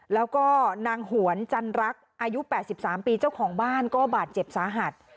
แล้วก็นางหวนจันรักอายุ๘๓ปีเจ้าของบ้านก็บาดเจ็บสาหัส